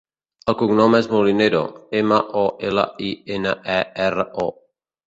El cognom és Molinero: ema, o, ela, i, ena, e, erra, o.